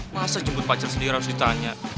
masa jemput pacar sendiri harus ditanya